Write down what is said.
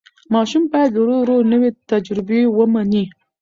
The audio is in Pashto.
ماشوم باید ورو ورو نوې تجربې ومني.